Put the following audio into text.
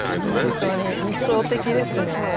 本当に理想的ですね